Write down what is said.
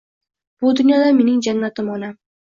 Bu dunyoda mening jannatim onam